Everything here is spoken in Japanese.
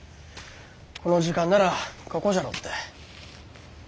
この時間ならここじゃろって。